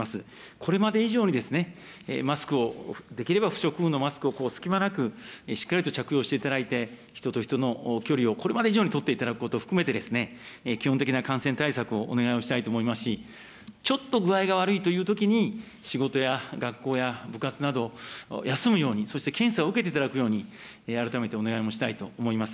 これまで以上にマスクを、できれば不織布のマスクを隙間なくしっかりと着用していただいて、人と人の距離をこれまで以上に取っていただくことを含めて、基本的な感染対策をお願いをしたいと思いますし、ちょっと具合が悪いというときに、仕事や学校や部活など休むように、そして検査を受けていただくように、改めてお願いもしたいと思います。